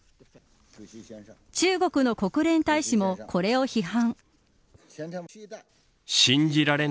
中国の国連大使もこれを批判。